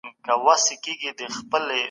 ما په پښتو کي یو ډېر ښکلی نظم ولیکي